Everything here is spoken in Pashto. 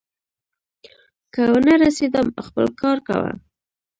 که ونه رسېدم، خپل کار کوه.